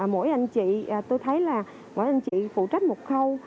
mỗi anh chị tôi thấy là mỗi anh chị phụ trách một khâu